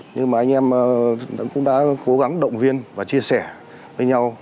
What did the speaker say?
nhưng mà anh em cũng đã cố gắng động viên và chia sẻ với nhau